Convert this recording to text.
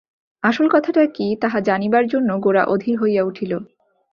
আসল কথাটা কী তাহা জানিবার জন্য গোরা অধীর হইয়া উঠিল।